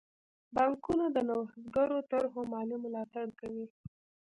بانکونه د نوښتګرو طرحو مالي ملاتړ کوي.